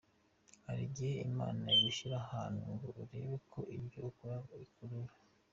Hari igihe Imana igushyira ahantu ngo irebe ko ibyo ukora bikurimo.